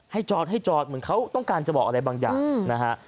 จอดให้จอดเหมือนเขาต้องการจะบอกอะไรบางอย่างนะฮะ